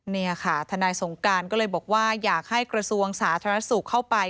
นี่ค่ะทนายสงการก็เลยบอกว่าอยากให้กระทรวงสาธารณสุขเข้าไป